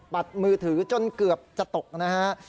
มือถือจนเกือบจะตกนะฮะ